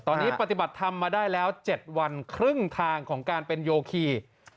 ตอนนี้ปฏิบัติธรรมมาได้แล้ว๗วันครึ่งทางของการเป็นโยคี